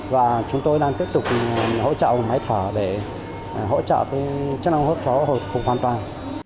và chúng tôi đang tiếp tục hỗ trợ máy thở để hỗ trợ cho cháu không hoàn toàn